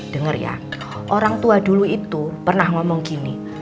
dengar ya orang tua dulu itu pernah ngomong gini